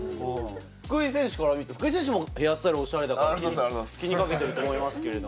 福井選手から見て、福井選手もヘアスタイル、おしゃれだから気にかけてると思いますけれど。